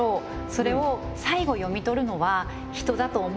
それを最後読み取るのは人だと思うので。